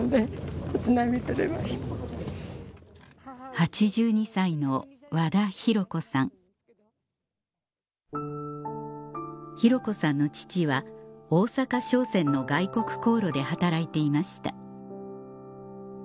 ８２歳の和田洋子さん洋子さんの父は大阪商船の外国航路で働いていました